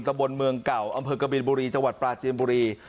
ตะบนเมืองเก่าอำเภอกบินบุรีจังหวัดปลาจีนบุรี